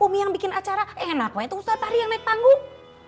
umi yang bikin acara enak mah itu ustadz pahri yang naik panggung